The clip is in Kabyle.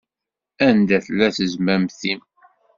Anda tella tezmamt-im?